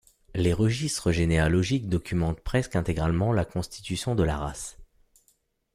Les registres généalogiques documentent presque intégralement la constitution de la race.